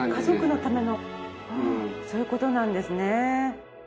そういう事なんですね。